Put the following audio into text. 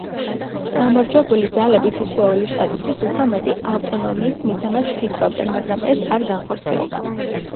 გამარჯვებული ძალები თითოეული შტატისთვის უფრო მეტი ავტონომიის მიცემას ფიქრობდნენ, მაგრამ ეს არ განხორციელდა.